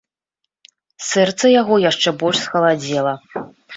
Сэрца яго яшчэ больш схаладзела.